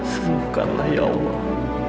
sembuhkanlah ya allah